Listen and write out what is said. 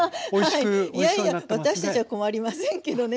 いやいや私たちは困りませんけどね。